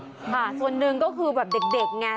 ค่ะส่วนหนึ่งก็คือแบบเด็กไง